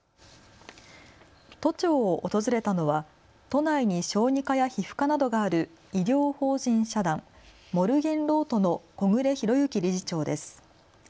都庁を訪れたのは都内に小児科や皮膚科などがある医療法人社団モルゲンロートの小暮裕之理事長です。